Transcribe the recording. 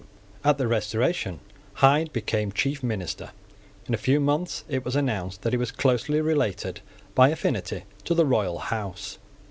At the Restoration Hyde became chief minister. In a few months it was announced that he was closely related by affinity to the royal house.